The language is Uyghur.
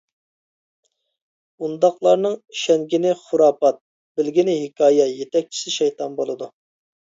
ئۇنداقلارنىڭ ئىشەنگىنى خۇراپات، بىلگىنى ھېكايە، يېتەكچىسى شەيتان بولىدۇ.